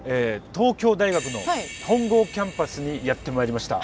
東京大学の本郷キャンパスにやって参りました。